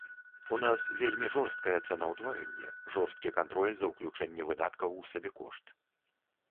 У нас вельмі жорсткае цэнаўтварэнне, жорсткі кантроль за ўключэнне выдаткаў у сабекошт.